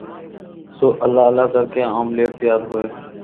سو اللہ اللہ کر کے آملیٹ تیار ہوئے